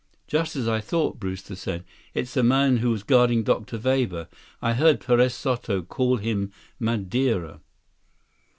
"Just as I thought," Brewster said. "It's the man who was guarding Dr. Weber. I heard Perez Soto call him Madeira."